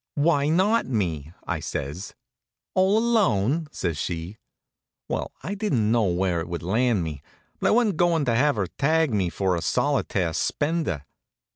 "Why not me?" I says. "All alone?" says she. Well, I didn't know where it would land me, but I wa'n't goin' to have her tag me for a solitaire spender.